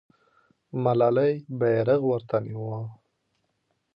ملالۍ بیرغ ورته نیوه.